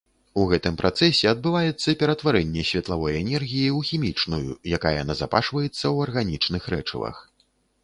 У гэтым працэсе адбываецца ператварэнне светлавой энергіі ў хімічную, якая назапашваецца ў арганічных рэчывах.